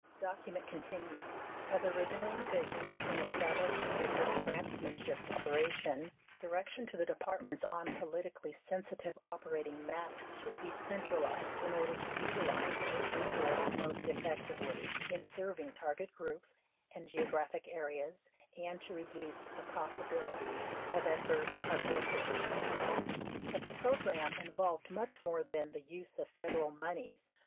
21 The document continues :... [A]s originally envisioned in establishing Gifford's grantsmanship operation, direction to the Departments on politically sensitive operating matters should be centralized in order to utilize this resource most effectively in serving target groups and geographic areas and to reduce the pos sibility of adverse publicity. But the program involved much more than the use of F ederal mon eys.